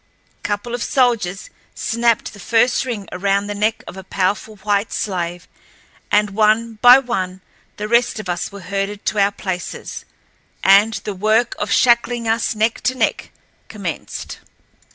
A couple of soldiers snapped the first ring around the neck of a powerful white slave, and one by one the rest of us were herded to our places, and the work of shackling us neck to neck commenced.